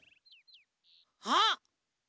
あっ！